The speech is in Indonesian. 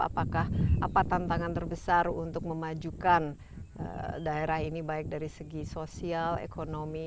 apakah apa tantangan terbesar untuk memajukan daerah ini baik dari segi sosial ekonomi